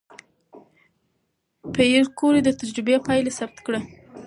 پېیر کوري د تجربې پایله ثبت کړه.